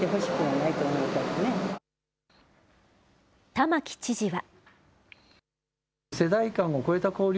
玉城知事は。